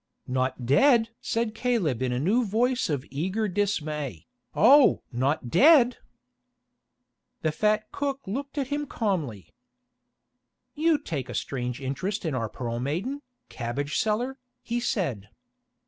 "Not dead?" said Caleb in a new voice of eager dismay, "Oh! not dead?" The fat cook looked at him calmly. "You take a strange interest in our Pearl Maiden, Cabbage seller," he said.